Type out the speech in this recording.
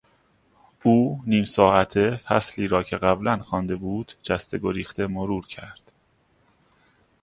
او نیم ساعت فصلی را که قبلا خوانده بود جسته گریخته مرور کرد.